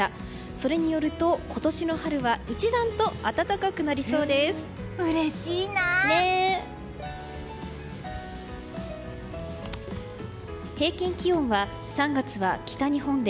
それによると、今年の春は一段と暖かくなりそうです。